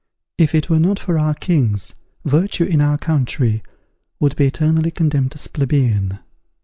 If it were not for our kings, virtue, in our country, would be eternally condemned as plebeian.